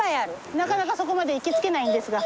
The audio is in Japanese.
なかなかそこまで行き着けないんですが。